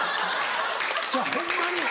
ホンマに。